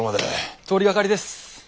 通りがかりです。